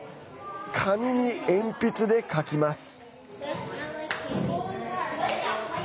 紙に鉛筆で書きます。